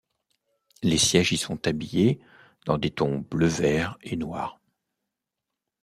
Les sièges y sont habillés dans des tons bleu-vert et noirs.